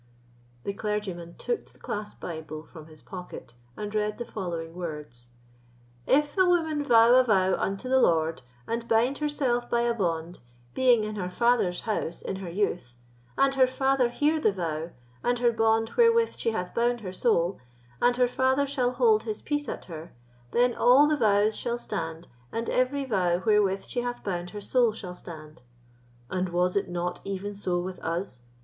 The clergyman took his clasped Bible from his pocket, and read the following words: "If a woman vow a vow unto the Lord, and bind herself by a bond, being in her father's house in her youth, and her father hear her vow, and her bond wherewith she hath bound her soul, and her father shall hold his peace at her; then all her vows shall stand, and every vow wherewith she hath bound her soul shall stand." "And was it not even so with us?"